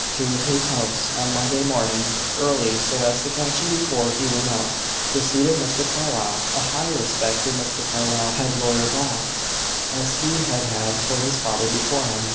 To his house, on Monday morning, early, so as to catch him before he went out, proceeded Mr. Carlyle. A high respect for Mr. Carlyle had Lawyer Ball, as he had had for his father before him.